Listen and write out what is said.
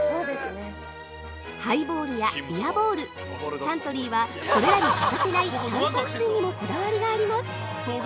◆ハイボールやビヤボール、サントリーはそれらに欠かせない炭酸水にもこだわりがあります！